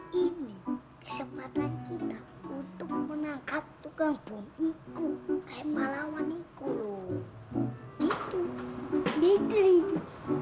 hai ini kesempatan kita untuk menangkap tukang bom ikut kayak malawan ikut gitu